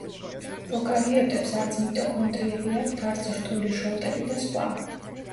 პროკარიოტებს არც მიტოქონდრიები აქვთ, არც რთული შოლტები და სხვა.